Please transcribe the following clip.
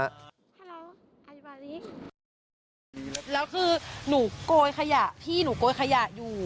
แล้วคือหนูโกยขยะพี่หนูโกยขยะอยู่